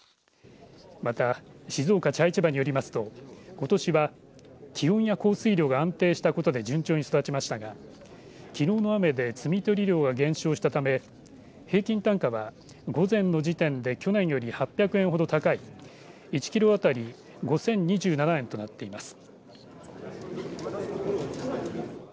また静岡茶市場によりますとことしは気温や降水量が安定したことで順調に育ちましたがきのうの雨で摘み取り量が減少したため平均単価は午前の時点で去年より８００円ほど高い１キロ当たり５０２７円となっています。